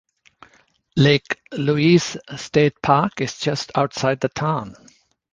Lake Louise State Park is just outside the town.